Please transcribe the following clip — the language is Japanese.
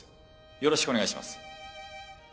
よろしくお願いします。